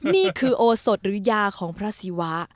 นี่คือโอสดหรือยาของพระศิวะ